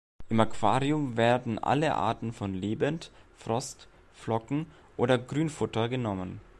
Im Aquarium werden alle Arten von Lebend-, Frost-, Flocken- oder Grünfutter genommen.